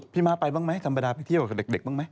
พี่มาไปบ้างมั้ยสัมปดาห์ไปเที่ยวกับเด็กบ้างมั้ย